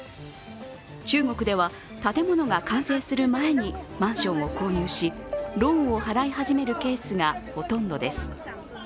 中国では建物が完成する前にマンションを購入しローンを払い始めるケースがほとんどです。